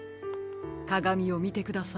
かがみをみてください。